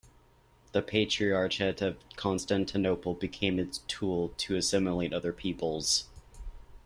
The Patriarchate of Constantinople became its tool to assimilate other peoples.